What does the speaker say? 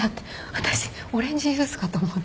私オレンジジュースかと思った。